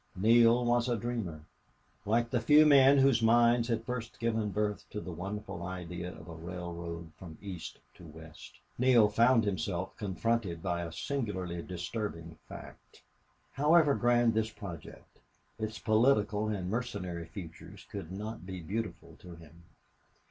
Neale was a dreamer, like the few men whose minds had first given birth to the wonderful idea of a railroad from East to West. Neale found himself confronted by a singularly disturbing fact. However grand this project, its political and mercenary features could not be beautiful to him.